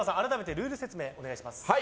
ルール説明お願いします。